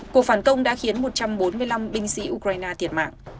cuộc phản công đã khiến một trăm bốn mươi năm binh sĩ ukraine thiệt mạng